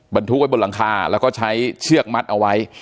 บรรทุกไว้บนหลังคาแล้วก็ใช้เชือกมัดเอาไว้